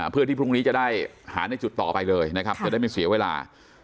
เพื่อที่พรุ่งนี้จะได้หาในจุดต่อไปเลยนะครับจะได้ไม่เสียเวลา